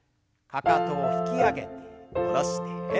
かかとを引き上げて下ろして。